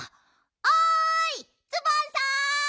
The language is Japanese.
おいツバンさん。